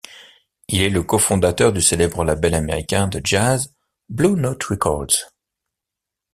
Il est le cofondateur du célèbre label américain de jazz, Blue Note Records.